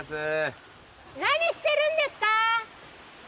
何してるんですか？